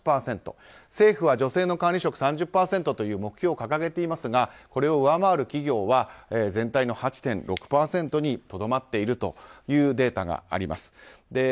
政府は女性の管理職３０％という目標を掲げていますがこれを上回る企業は全体の８．６％にとどまっているというデータがあります。